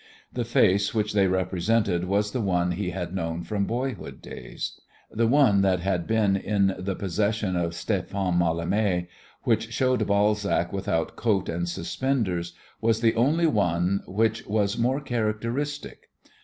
The face which they represented was the one he had known from boyhood days. The one that had been in the possession of Stéphan Mallarmé, which showed Balzac without coat and suspenders, was the only one which was more characteristic.